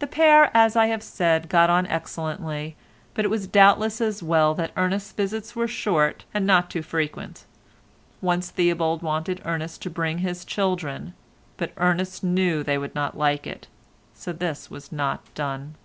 The pair, as I have said, got on excellently, but it was doubtless as well that Ernest's visits were short and not too frequent. Once Theobald wanted Ernest to bring his children, but Ernest knew they would not like it, so this was not done.